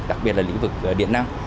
đặc biệt là lĩnh vực điện năng